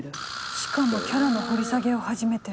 しかもキャラの掘り下げを始めてる。